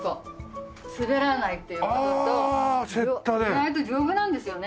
意外と丈夫なんですよね。